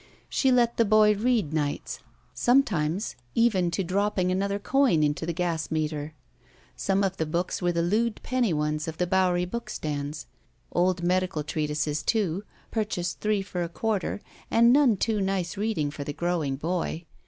She let the boy read nights, scwnetimes even to 18 2^7 ROULETTE dropping another coin into the gas meter. Some of the books were the lewd penny ones of the Bowery bookstands, old medical treatises, too, purchased three for a quarter and none too nice reading for the growing boy.